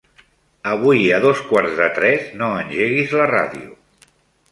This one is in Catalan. Avui a dos quarts de tres no engeguis la ràdio.